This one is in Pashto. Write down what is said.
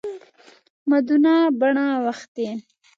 مدونه بڼه وښتي.